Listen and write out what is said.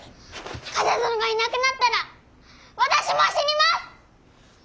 冠者殿がいなくなったら私も死にます！